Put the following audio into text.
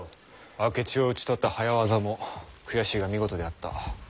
明智を討ち取った早業も悔しいが見事であった。